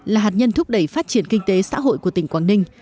là hạt nhân thúc đẩy phát triển kinh tế xã hội của tỉnh quảng ninh